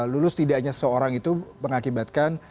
lulus tidak hanya seorang itu mengakibatkan